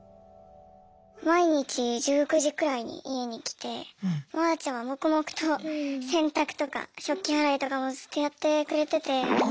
毎日１９時くらいに家に来てあーちゃんは黙々と洗濯とか食器洗いとかもずっとやってくれてて。